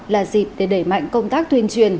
là dịp để đẩy mạnh công tác tuyên truyền